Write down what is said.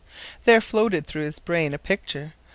There floated through his brain a picture.